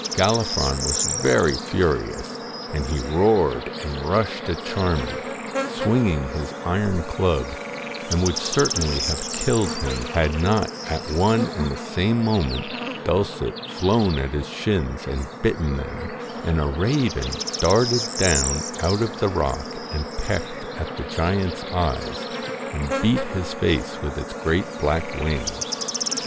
Gallifron was very furious, and he roared, and rushed at Charming, swinging his iron club, and would certainly have killed him had not at one and the same moment Dulcet flown at his shins and bitten them, and a raven darted down out of the rock and pecked at the giant's eyes, and beat his face with its great black wings.